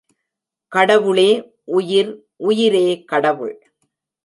கடவுளே உயிர் உயிரே கடவுள்.